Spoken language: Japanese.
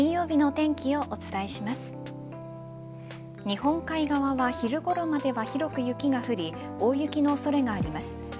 日本海側は昼ごろまでは広く雪が降り大雪の恐れがあります。